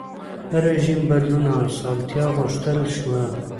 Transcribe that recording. رژیم بدلون اسانتیا غوښتل شوه.